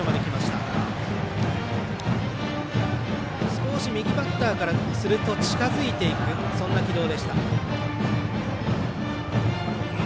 少し右バッターからすると近づいていくそんな軌道でした。